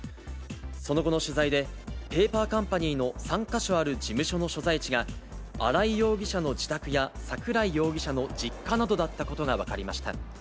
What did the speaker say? その後の取材で、ペーパーカンパニーの３か所ある事務所の所在地が新井容疑者の自宅や、桜井容疑者の実家などだったことが分かりました。